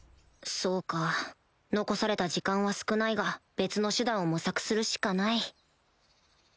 そうか残された時間は少ないが別の手段を模索するしかない